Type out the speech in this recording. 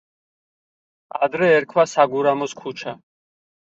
ადრე ერქვა საგურამოს ქუჩა.